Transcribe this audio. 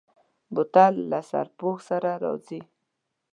بوتل له سرپوښ سره راځي.